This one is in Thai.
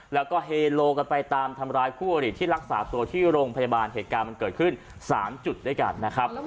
แล้วก็เฮโลกันไปตามทำร้ายคู่อริที่รักษาตัวที่โรงพยาบาลเหตุการณ์มันเกิดขึ้น๓จุดด้วยกันนะครับ